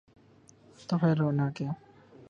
تو پھر رونا کیا؟